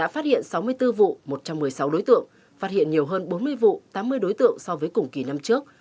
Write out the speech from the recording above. phát hiện sáu mươi bốn vụ một trăm một mươi sáu đối tượng phát hiện nhiều hơn bốn mươi vụ tám mươi đối tượng so với cùng kỳ năm trước